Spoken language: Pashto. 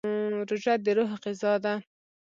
روژه د روح غذا ده.